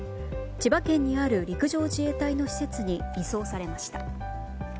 千葉県にある陸上自衛隊の施設に移送されました。